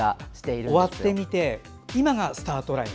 終わってみて今がスタートライン？